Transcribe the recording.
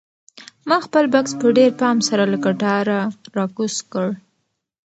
ما خپل بکس په ډېر پام سره له کټاره راکوز کړ.